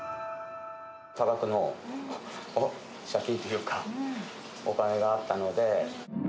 多額の借金っていうか、お金があったので。